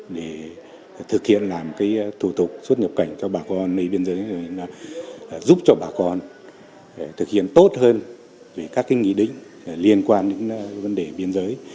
để thực hiện làm thủ tục xuất nhập cảnh cho bà con nơi biên giới giúp cho bà con thực hiện tốt hơn về các nghị định liên quan đến vấn đề biên giới